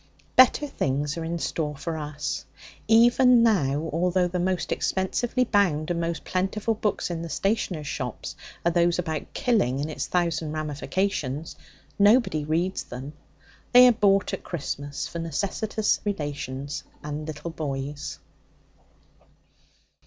Better things are in store for us. Even now, although the most expensively bound and the most plentiful books in the stationers' shops are those about killing and its thousand ramifications, nobody reads them. They are bought at Christmas for necessitous relations and little boys.